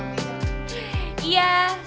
cepet nih jalannya cepet